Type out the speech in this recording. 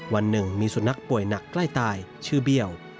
วันหนึ่งมีสุนัขป่วยหนักใกล้ตายชื่อเบี้ยว